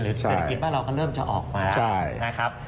เศรษฐกิจบ้านเราก็เริ่มจะออกมานะครับ